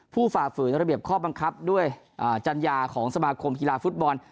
ฝ่าฝืนระเบียบข้อบังคับด้วยจัญญาของสมาคมกีฬาฟุตบอล